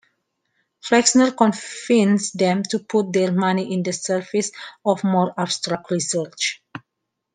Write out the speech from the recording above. Flexner convinced them to put their money in the service of more abstract research.